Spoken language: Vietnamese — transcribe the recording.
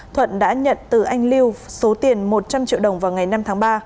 thuận đã nhận từ anh lưu số tiền một trăm linh triệu đồng vào ngày năm tháng ba